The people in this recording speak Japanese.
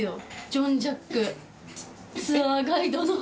ジョンジャックツアーガイドの。